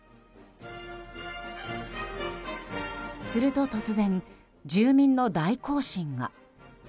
すると突然、住民の大行進が。